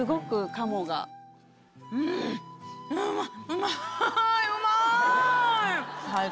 うまい！